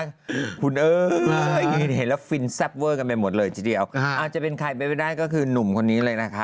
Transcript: คุณเอ้ยเห็นแล้วฟินแซ่บเวอร์กันไปหมดเลยทีเดียวอาจจะเป็นใครไปไม่ได้ก็คือหนุ่มคนนี้เลยนะคะ